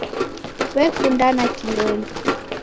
W'ekundana kiloli